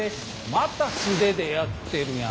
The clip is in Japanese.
また素手でやってるやん。